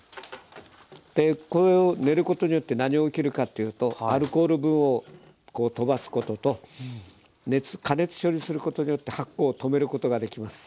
でこれを練ることによって何が起きるかっていうとアルコール分を飛ばすことと加熱処理することによって発酵を止めることができます。